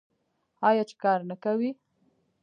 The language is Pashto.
آیا چې کار نه کوي؟